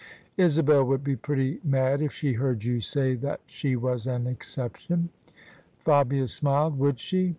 " Isabel would be pretty mad if she heard you say that she was an exception." Fabia smiled. " Would she?